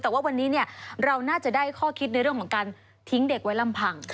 แต่ว่าวันนี้เราน่าจะได้ข้อคิดในเรื่องของการทิ้งเด็กไว้ลำพัง